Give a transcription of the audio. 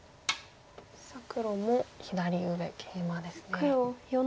黒も左上ケイマですね。